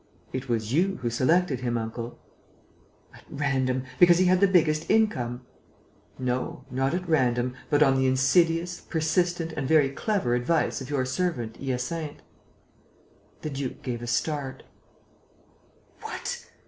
"It was you who selected him, uncle." "At random ... because he had the biggest income...." "No, not at random, but on the insidious, persistent and very clever advice of your servant Hyacinthe." The duke gave a start: "What!